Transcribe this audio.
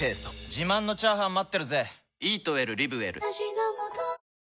自慢のチャーハン待ってるぜ！